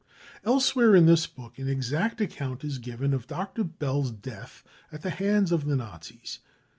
Elsewhere in this book an exact account is given of Dr. Bell's death at the hands of the Nazis.